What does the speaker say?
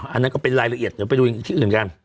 อันนั้นก็เป็นรายละเอียดเดี๋ยวไปดูอีกที่อื่นกัน